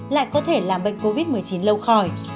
lại có thể làm bệnh covid một mươi chín lâu khỏi